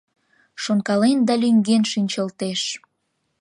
Шонкален да лӱҥген шинчылтеш.